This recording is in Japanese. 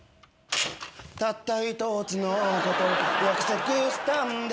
「たった一つのこと約束したんだ」